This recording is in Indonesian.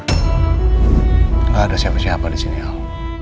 gak ada siapa siapa di sini al